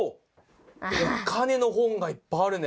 お金の本がいっぱいあるね。